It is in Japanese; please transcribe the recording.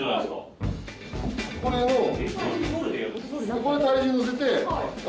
これをこれ体重乗せて。